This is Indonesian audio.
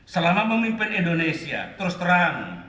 selama memimpin indonesia terus terang